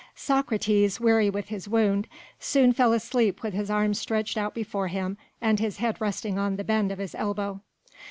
Socrates, weary with his wound, soon fell asleep with his arms stretched out before him and his head resting in the bend of his elbow.